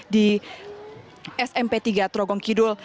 di smp tiga trogong kidul